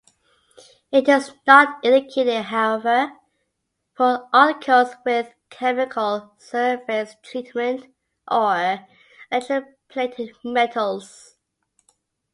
It is not indicated, however, for articles with chemical surface treatment or electroplated metals.